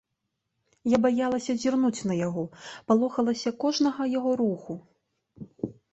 Я баялася зірнуць на яго, палохалася кожнага яго руху.